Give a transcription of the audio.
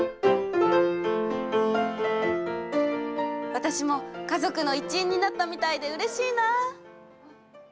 私も家族の一員になったみたいでうれしいな。